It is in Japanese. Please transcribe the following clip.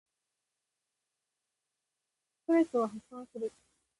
ストレスを発散する。